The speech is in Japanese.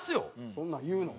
そんなん言うの？